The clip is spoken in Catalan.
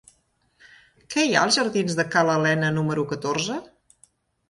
Què hi ha als jardins de Ca l'Alena número catorze?